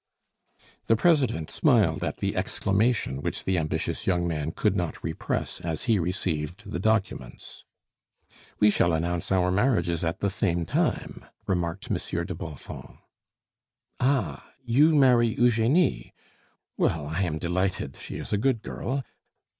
The president smiled at the exclamation which the ambitious young man could not repress as he received the documents. "We shall announce our marriages at the same time," remarked Monsieur de Bonfons. "Ah! you marry Eugenie? Well, I am delighted; she is a good girl.